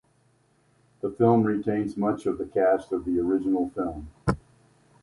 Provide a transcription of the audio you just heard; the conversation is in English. The film retains much of the cast of the original film.